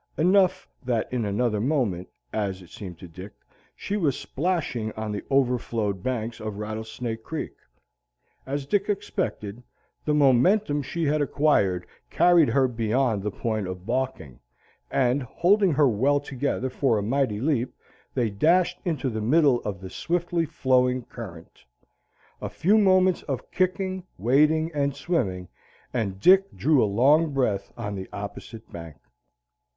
Enough that in another moment, as it seemed to Dick, she was splashing on the overflowed banks of Rattlesnake Creek. As Dick expected, the momentum she had acquired carried her beyond the point of balking, and, holding her well together for a mighty leap, they dashed into the middle of the swiftly flowing current. A few moments of kicking, wading, and swimming, and Dick drew a long breath on the opposite bank.